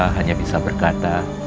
hanya bisa berkata